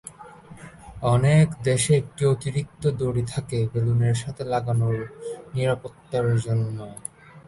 অনেক দেশে একটি অতিরিক্ত দড়ি থাকে বেলুনের সাথে লাগানো নিরাপত্তার জন্য।